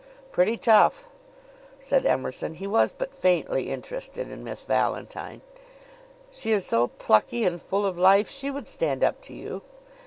"Pretty tough," said Emerson. He was but faintly interested in Miss Valentine. "She is so plucky and full of life. She would stand up to you."